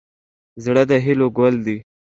زړه د هیلو ګل دی.